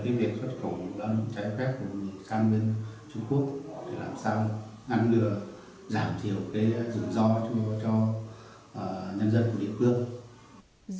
điều đó là một cái rủi ro cho nhân dân của địa phương